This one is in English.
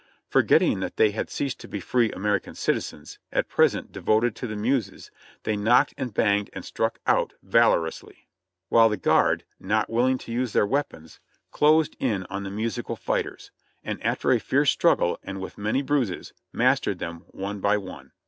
Forgetting that they had ceased to be free American citizens, at present devoted to the muses, they knocked and banged and struck out valorously, while the guard, not willing to use their weapons, closed in on the musical fighters, and after a fierce struggle and with many bruises, mastered them one by one.